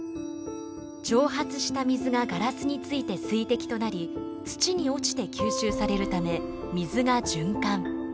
蒸発した水がガラスについて水滴となり土に落ちて吸収されるため水が循環。